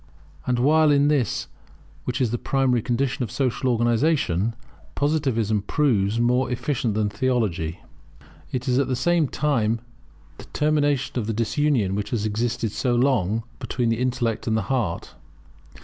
And while in this, which is the primary condition of social organization, Positivism, proves more efficient than Theology, it at the same time terminates the disunion which has existed so long between the intellect and the heart.